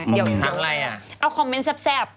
เดี๋ยวถามอะไรอ่ะเอาคอมเมนต์แซ่บ